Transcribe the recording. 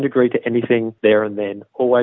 jangan setuju dengan apa apa